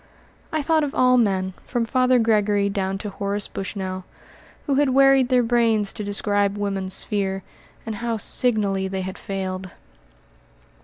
I thought of all men, from Father Gregory down to Horace Bushnell, who had wearied their brains to describe woman's sphere, and how signally they had failed.